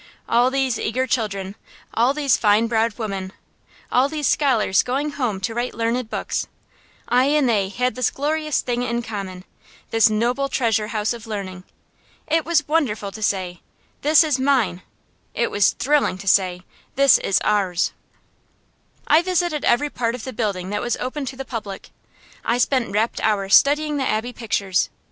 All these eager children, all these fine browed women, all these scholars going home to write learned books I and they had this glorious thing in common, this noble treasure house of learning. It was wonderful to say, This is mine; it was thrilling to say, This is ours. I visited every part of the building that was open to the public. I spent rapt hours studying the Abbey pictures.